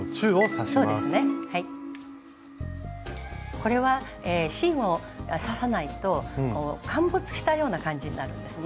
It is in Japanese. これは芯を刺さないと陥没したような感じになるんですね。